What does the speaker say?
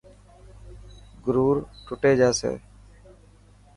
گرور ٽٽي جاسي.